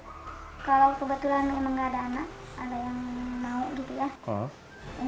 kalau kebetulan memang nggak ada anak ada yang mau gitu ya